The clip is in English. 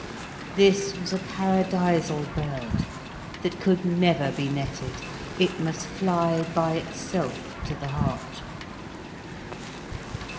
This was a paradisal bird that could never be netted, it must fly by itself to the heart.